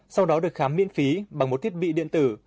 sau đó được khám miễn phí bằng một thiết bị điện tử